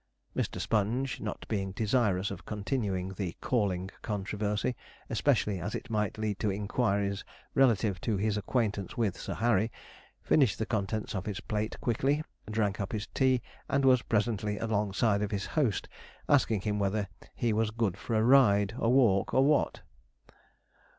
Mr. Sponge, not being desirous of continuing the 'calling' controversy, especially as it might lead to inquiries relative to his acquaintance with Sir Harry, finished the contents of his plate quickly, drank up his tea, and was presently alongside of his host, asking him whether he 'was good for a ride, a walk, or what?'